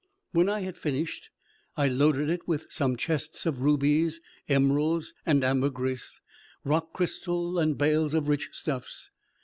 When I had finished, I loaded it with some chests of rubies, emeralds, ambergris, rock crystal and bales of rich stuffs.